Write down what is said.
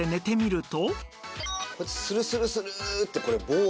こうやってスルスルスルって棒が。